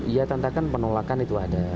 iya tentu kan penolakan itu ada